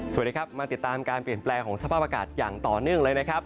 สวัสดีครับมาติดตามการเปลี่ยนแปลงของสภาพอากาศอย่างต่อเนื่องเลยนะครับ